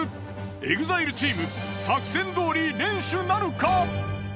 ＥＸＩＬＥチーム作戦どおり連取なるか！？